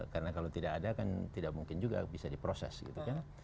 karena kalau tidak ada kan tidak mungkin juga bisa diproses gitu kan